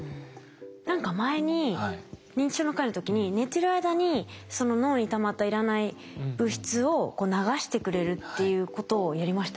何か前に認知症の回の時に寝てる間に脳にたまった要らない物質をこう流してくれるっていうことをやりましたよね。